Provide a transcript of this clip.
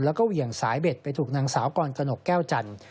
แล้วก็เหวี่ยงสายเบ็ดไปถูกนางสาวกรกนกแก้วจันทร์